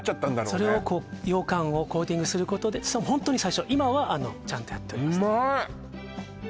それをこう羊羹をコーティングすることでホントに最初今はちゃんとやっております